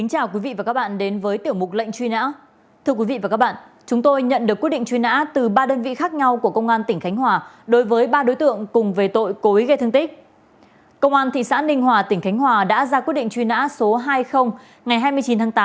công an thị xã ninh hòa tỉnh khánh hòa đã ra quyết định truy nã số hai mươi ngày hai mươi chín tháng tám năm hai nghìn một mươi sáu